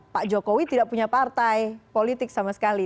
pak jokowi tidak punya partai politik sama sekali